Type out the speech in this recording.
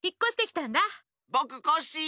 ぼくコッシー。